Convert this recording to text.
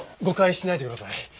誤解しないでください。